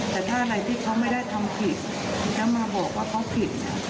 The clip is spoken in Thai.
แต่ถ้าอะไรที่เขาไม่ได้ทำผิดแล้วมาบอกว่าเขาผิด